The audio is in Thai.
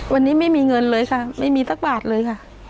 วันนี้ไม่มีเงินเลยค่ะไม่มีสักบาทเลยค่ะ